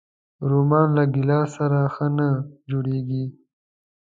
رومیان له ګیلاس سره ښه نه جوړيږي